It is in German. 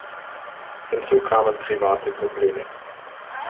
Hinzu kamen private Probleme.